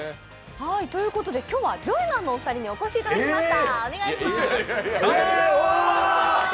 今日はジョイマンのお二人にもお越しいただきました。